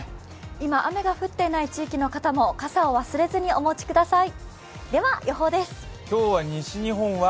今、雨が降っていない地域の方も傘を忘れずにお持ちください。